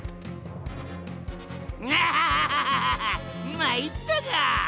まいったか！